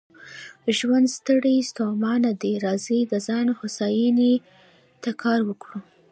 ژوند ستړی ستومانه دی، راځئ د ځان هوساینې ته کار وکړو.